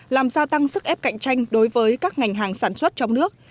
làm gia tăng sức ép cạnh tranh đối với các ngành hàng sản xuất trong nước